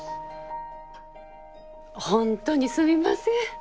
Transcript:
本当にすみません。